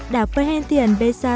đảo perhentian besa